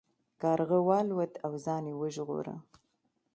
کارغه والوت او ځان یې وژغوره.